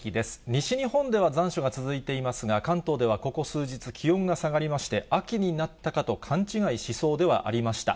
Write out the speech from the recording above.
西日本では残暑が続いていますが、関東ではここ数日、気温が下がりまして、秋になったかと勘違いしそうではありました。